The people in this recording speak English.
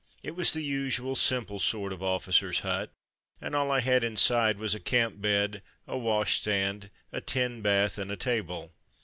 It was the usual simple sort of officer's hut, and all I had inside was a camp bed, a wash stand, a tin bath, and a table.